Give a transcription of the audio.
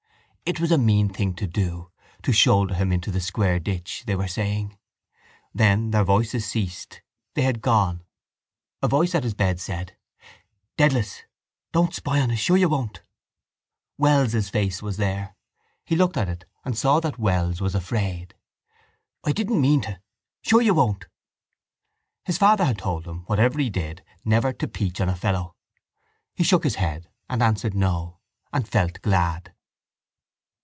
It was a mean thing to do, to shoulder him into the square ditch, they were saying. Then their voices ceased; they had gone. A voice at his bed said: —Dedalus, don't spy on us, sure you won't? Wells's face was there. He looked at it and saw that Wells was afraid. —I didn't mean to. Sure you won't? His father had told him, whatever he did, never to peach on a fellow. He shook his head and answered no and felt glad.